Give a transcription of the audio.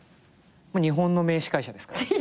日本の名司会者ですから今や。